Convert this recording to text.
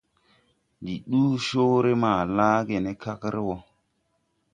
Ndi duu coore maa laage ne kagre wɔɔ.